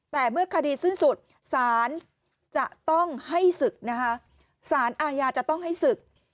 แต่เมื่อคดีสิ้นสุดสารจะต้องให้ศึกนะคะสารอาญาจะต้องให้ศึก